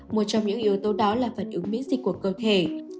một trong những yếu tố đó là phản ứng miễn dịch của cơ thể